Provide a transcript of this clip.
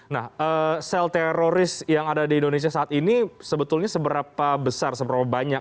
nah sel teroris yang ada di indonesia saat ini sebetulnya seberapa besar seberapa banyak